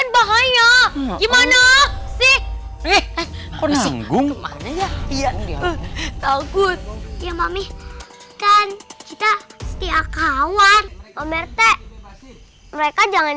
bahaya gimana sih nih kondisi nganggung takut ya mami kan kita setia kawan om rt mereka jangan